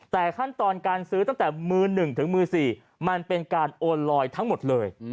แต่ขั้นตอนการซื้อตั้งแต่มือ๑ถึงมือ๔มันเป็นการโอนลอยทั้งหมดเลย